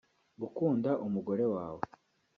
gukunda umugore wawe